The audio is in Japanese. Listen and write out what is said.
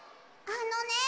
あのね